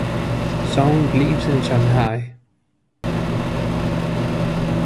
Zhong lives in Shanghai.